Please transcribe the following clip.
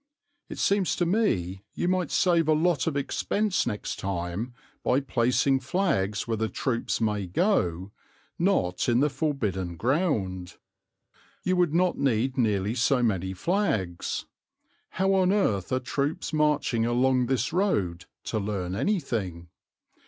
_ "It seems to me you might save a lot of expense next time by placing flags where the troops may go, not in the forbidden ground. You would not need nearly so many flags. How on earth are troops marching along this road to learn anything?